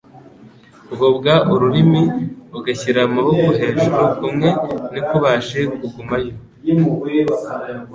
kugobwa ururimi, ugashyira amaboko hejuru kumwe ntikubashe kugumayo.